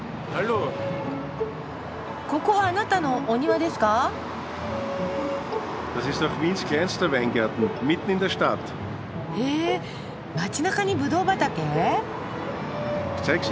ここはあなたのお庭ですか？へ街なかにぶどう畑？